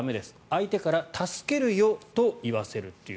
相手から助けるよと言わせるという。